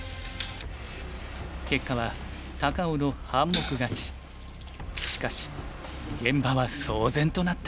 結果はしかし現場は騒然となった。